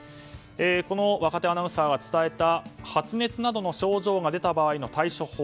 この若手アナウンサーが伝えた発熱などの症状が出た場合の対処法